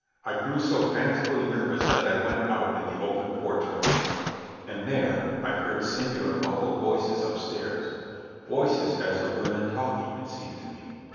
I grew so fancifully nervous that I went out in the open porch once more; and there I heard singular muffled voices up stairs — voices as of women talking, it seemed to me.